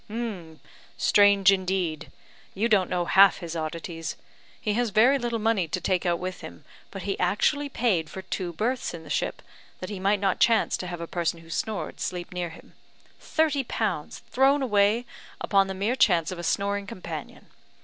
"Strange, indeed; you don't know half his oddities. He has very little money to take out with him, but he actually paid for two berths in the ship, that he might not chance to have a person who snored sleep near him. Thirty pounds thrown away upon the mere chance of a snoring companion!